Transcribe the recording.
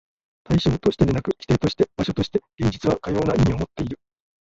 対象としてでなく、基底として、場所として、現実はかような意味をもっている。